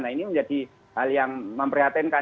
nah ini menjadi hal yang memprihatinkan